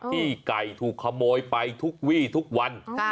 ไก่ถูกขโมยไปทุกวี่ทุกวัน